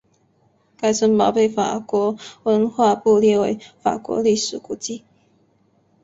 该城堡被法国文化部列为法国历史古迹。